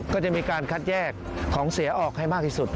ก็จะมีการคัดแยกของเสียออกให้มากที่สุด